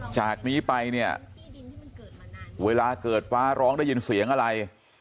จากนี้ไปเนี่ยเวลาเกิดฟ้าร้องได้ยินเสียงอะไร